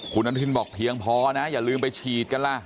คุณอนุทินบอกเพียงพอนะอย่าลืมไปฉีดกันล่ะ